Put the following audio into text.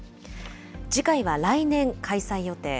次回は来年開催予定。